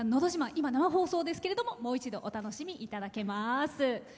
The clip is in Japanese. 今、生放送ですけれどももう一度、お楽しみいただけます。